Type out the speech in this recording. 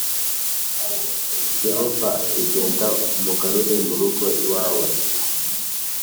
yehova ati genda umugarure mu rugo iwawe